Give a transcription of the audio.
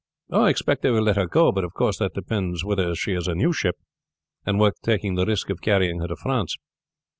"I expect they will let her go; but of course that depends whether she is a new ship and worth taking the risk of carrying her to France."